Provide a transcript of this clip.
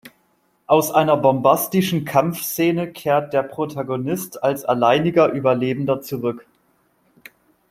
Aus einer bombastischen Kampfszene kehrt der Protagonist als alleiniger Überlebender zurück.